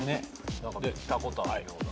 何か見たことあるような。